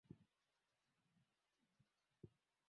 Mshindani aliyemkaribia zaidi alikuwa na kura kumi na tisa